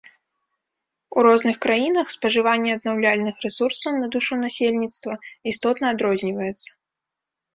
У розных краінах спажыванне аднаўляльных рэсурсаў на душу насельніцтва істотна адрозніваецца.